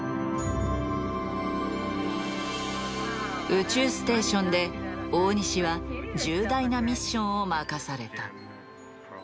宇宙ステーションで大西は重大なミッションを任された。